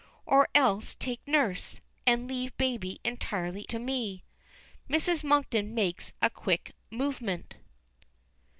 Or else take nurse, and leave baby entirely to me." Mrs. Monkton makes a quick movement.